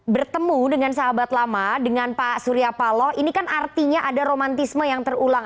bertemu dengan sahabat lama dengan pak surya paloh ini kan artinya ada romantisme yang terulang